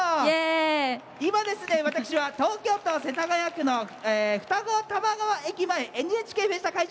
今ですね、私は東京都世田谷区の二子玉川駅前「ＮＨＫフェスタ」